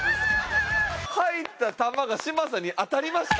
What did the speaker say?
入った球が嶋佐に当たりました。